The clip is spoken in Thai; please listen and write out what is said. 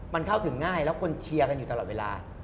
มันเข้าถึงง่ายแล้วคนเชียร์กันอยู่ตลอดเวลา